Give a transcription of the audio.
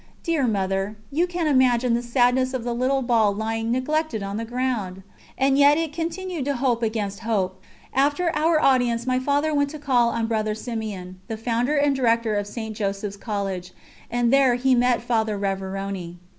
Dear Mother, you can imagine the sadness of the little ball lying neglected on the ground! And yet it continued to hope against hope. After our audience my Father went to call on Brother Simeon the founder and director of St. Joseph's College and there he met Father Révérony.